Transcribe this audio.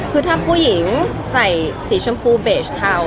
คือถ้าผู้หญิงใส่สีชมพูเบสเทา